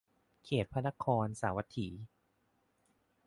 เขตพระนครสาวัตถี